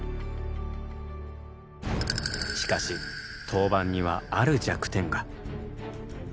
しかし陶板にはある弱点が。